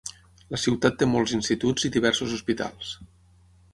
La ciutat té molts instituts i diversos hospitals.